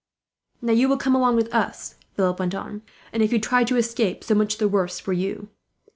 "Now you will come along with us," Philip went on, "and if you try to escape, so much the worse for you.